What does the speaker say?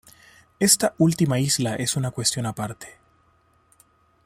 Esta última isla es una cuestión aparte.